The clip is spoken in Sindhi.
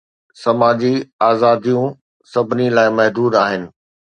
سماجي آزاديون سڀني لاءِ محدود آهن.